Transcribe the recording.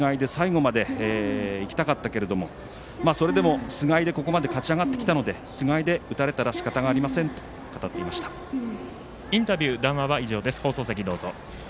できれば菅井で最後まで行きたかったけれどもそれでも、菅井でここまで勝ち上がってきたので菅井で打たれたらしかたがありませんとインタビュー、談話は以上です。